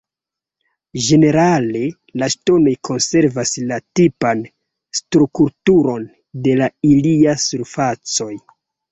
Ĝenerale la ŝtonoj konservas la tipan strukturon de la ilia surfacoj.